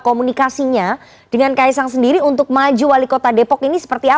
komunikasinya dengan kaisang sendiri untuk maju wali kota depok ini seperti apa